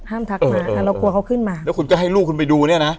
ทักมาถ้าเรากลัวเขาขึ้นมาแล้วคุณก็ให้ลูกคุณไปดูเนี่ยนะ